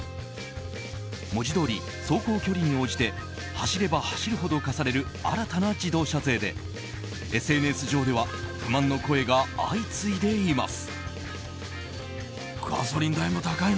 文字どおり自動車の走行距離に応じて走れば走るほど課される新たな自動車税でＳＮＳ上では不満の声が相次いでいます。